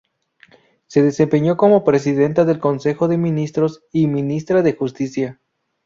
Se desempeñó como Presidenta del Consejo de Ministros y Ministra de Justicia.